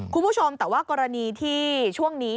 คุณผู้ชมแต่ว่ากรณีที่ช่วงนี้